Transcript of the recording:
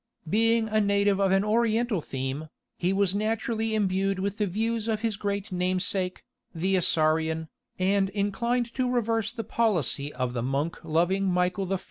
Being a native of an Oriental theme, he was naturally imbued with the views of his great namesake, the Isaurian, and inclined to reverse the policy of the monk loving Michael I.